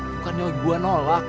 bukan ya gua nolak